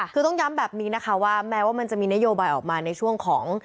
คือต้องย้ำแบบนี้นะคะว่าแม้ว่ามันจะมีนโยบายออกมาในช่วงของ